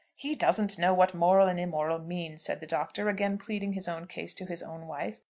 "He doesn't know what moral and immoral means," said the Doctor, again pleading his own case to his own wife.